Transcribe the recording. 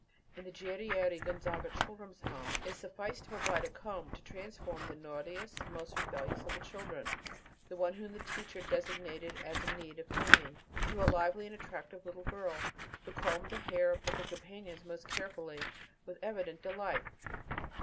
In the Guerrieri Gonzaga Children's House, it sufficed to provide a comb, to transform the naughtiest, most rebellious of the children, the one whom the teacher designated as in need of "taming," into a lively and attractive little girl, who combed the hair of her companions most carefully, with evident delight.